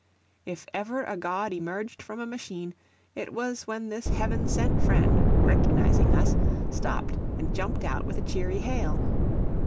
If ever a god emerged from a machine, it was when this heaven sent friend, recognising us, stopped and jumped out with a cheery hail.